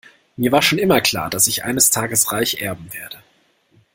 Mir war schon immer klar, dass ich eines Tages reich erben werde.